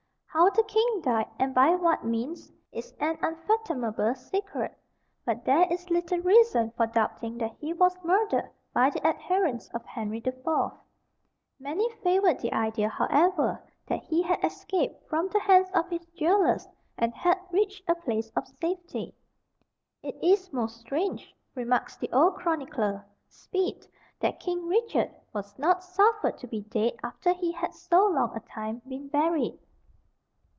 How the king died, and by what means, is an unfathomable secret; but there is little reason for doubting that he was murdered by the adherents of Henry the Fourth. Many favoured the idea, however, that he had escaped from the hands of his jailers and had reached a place of safety. "It is most strange," remarks the old chronicler, Speed, "that King Richard was not suffered to be dead after he had so long a time been buried."